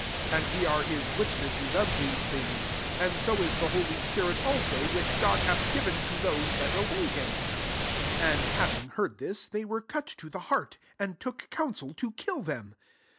32 And we are [A<«] witnesses of these things; and 60 U the holy spirit [also,] which God hath given to those that obey him.'' 33 And having heard thia^ they were cut to the hearty and took counsel to kill them.